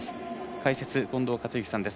解説、近藤克之さんです。